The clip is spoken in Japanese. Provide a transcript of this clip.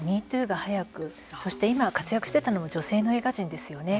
ＭｅＴｏｏが早くそして今活躍していたのは女性の映画人ですよね。